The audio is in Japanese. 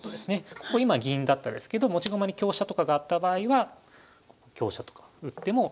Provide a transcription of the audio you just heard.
ここ今銀だったですけど持ち駒に香車とかがあった場合は香車とか打ってもいいかなというふうに思います。